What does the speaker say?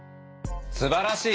すばらしい！